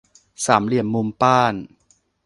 สามเหลี่ยมมุมป้าน